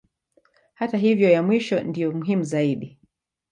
Hata hivyo ya mwisho ndiyo muhimu zaidi.